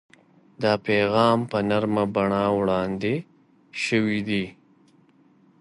دا پیغام په نرمه بڼه وړاندې شوی دی.